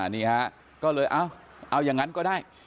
นี่ฮะก็เลยเอาอย่างนั้นก็ได้